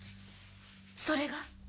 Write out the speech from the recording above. それが？